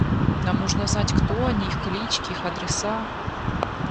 Нам нужно знать, кто они, их клички, их адреса.